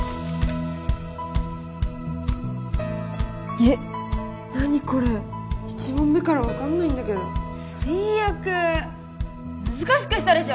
げっ何これ１問目から分かんないんだけど最悪難しくしたでしょ